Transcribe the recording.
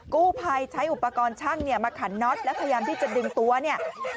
กู้ภัยใช้อุปกรณ์ช่างเนี่ยมาขันน็อตแล้วพยายามที่จะดึงตัวเนี่ย